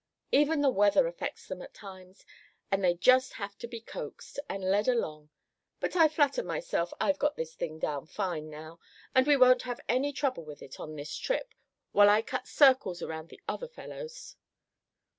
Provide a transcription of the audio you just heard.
Even the weather affects them at times; and they just have to be coaxed, and led along. But I flatter myself I've got this thing down fine, now, and we won't have any trouble with it on this trip, while I cut circles around the other fellows."